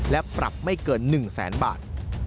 และปรับไม่เกิน๑แสนบาท